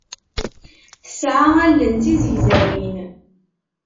Tesɛa allen d tizegzawin.